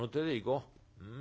うん。